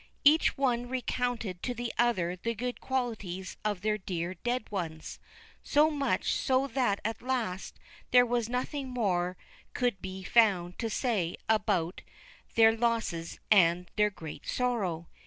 Each one recounted to the other the good qualities of their dear dead ones ; so much so that at last there was nothing more could be found to say about their losses and their great sorrow.